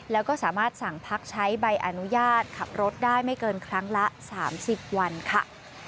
แล้วก็สามารถสั่งพักใช้ใบอนุญาตขับรถได้ไม่เกินครั้งละ๓๐วันค่ะ